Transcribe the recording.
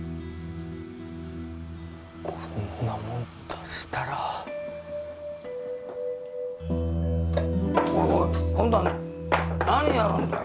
こんなもん出したらおいおい今度は何やるんだよ